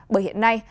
bởi hiện nay